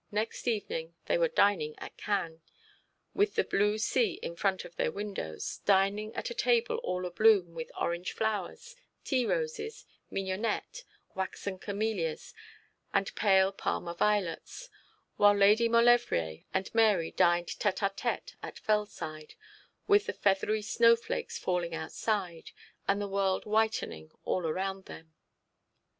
Next evening they were dining at Cannes, with the blue sea in front of their windows, dining at a table all abloom with orange flowers, tea roses, mignonette, waxen camellias, and pale Parma violets, while Lady Maulevrier and Mary dined tête à tête at Fellside, with the feathery snow flakes falling outside, and the world whitening all around them.